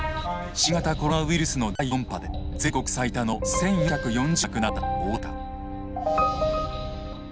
新型コロナウイルスの第４波で全国最多の１，４４０人が亡くなった大阪。